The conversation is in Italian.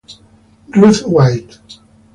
Ruth White